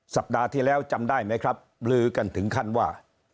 สัปดาห์ที่แล้วจำได้ไหมครับลือกันถึงขั้นว่า